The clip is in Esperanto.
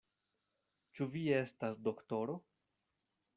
Ĉu vi estas doktoro?